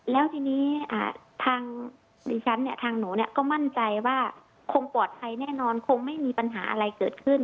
แล้วทีนี้ทางดิฉันเนี่ยทางหนูก็มั่นใจว่าคงปลอดภัยแน่นอนคงไม่มีปัญหาอะไรเกิดขึ้น